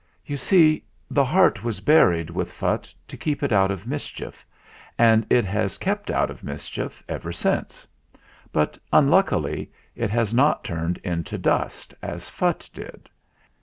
You see the Heart was buried with Phutt, to keep it out of mischief, and it has kept out of mischief ever since; but unluckily it has not turned into dust, as Phutt did.